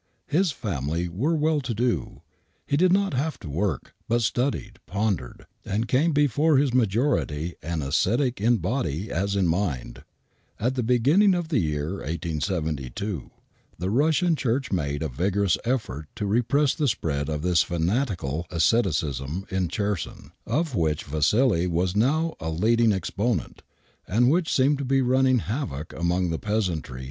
His family were well to do ; he did not have to work, but studied, pondered, and became before his majority an ascetic in body as in mind. At the beginning of the year 1872,, the Russian Church made a vigorous effort to repress the spread of this fanatical asceticism in Cherson, of which Vassili was now a leading exponent, and which seemed to be running havoc among the peasantry and m mmm ■MlMM f<i9>>*miM^«i^ «BS5MsJJ^^«asSjifi*;;> ^^^^j^^H T^^'